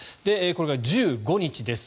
これが１５日です。